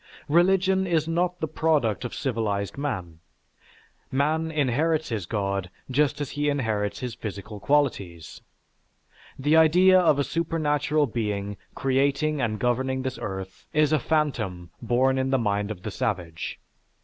Religion is not the product of civilized man. Man inherits his god just as he inherits his physical qualities. The idea of a supernatural being creating and governing this earth is a phantom born in the mind of the savage.